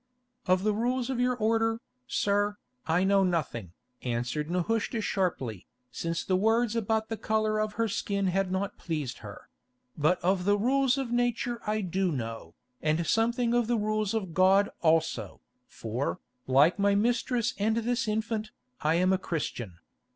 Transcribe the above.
"Of the rules of your order, sir, I know nothing," answered Nehushta sharply, since the words about the colour of her skin had not pleased her; "but of the rules of nature I do know, and something of the rules of God also, for, like my mistress and this infant, I am a Christian.